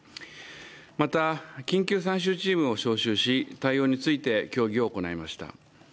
また、緊急参集チームを招集し対応について協議を行いました。